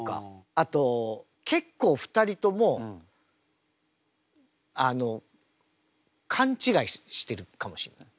あと結構２人ともあのかんちがいしてるかもしれない。